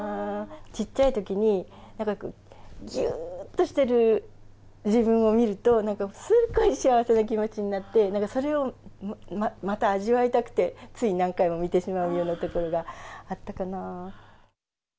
ちっちゃいときに、ぎゅーとしてる自分を見ると、なんかすごい幸せな気持ちになって、それをまた味わいたくて、つい何回も見てしまうようなところがあったかな。